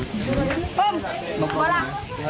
pem mau ke sekolah